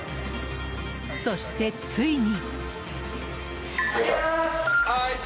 そして、ついに。